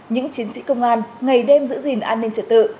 những chiến sĩ công an ngày đêm giữ gìn an ninh trật tự